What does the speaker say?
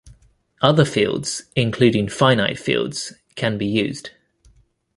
Other fields, including finite fields, can be used.